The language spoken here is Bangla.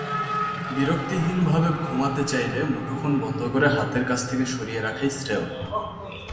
বিরক্তিহীনভাবে ঘুমাতে চাইলে মুঠোফোন বন্ধ করে হাতের কাছ থেকে সরিয়ে রাখাই শ্রেয়।